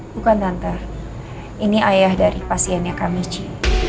bukan tante ini ayah dari pasiennya kak michi